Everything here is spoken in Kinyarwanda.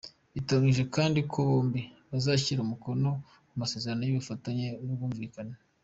Biteganyijwe kandi ko bombi bazashyira umukono ku masezerano y’ubufatanye n’ubwumvikane.